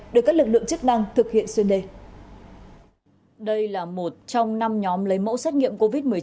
được các lực lượng chức năng thực hiện xuyên đề đây là một trong năm nhóm lấy mẫu xét nghiệm covid một mươi chín